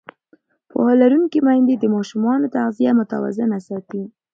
پوهه لرونکې میندې د ماشومانو تغذیه متوازنه ساتي.